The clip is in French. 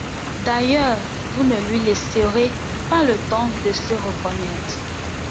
D’ailleurs, vous ne lui laisserez pas le temps de se reconnaître.